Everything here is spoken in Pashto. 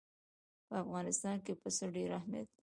په افغانستان کې پسه ډېر اهمیت لري.